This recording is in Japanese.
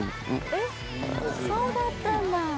えっそうだったんだ。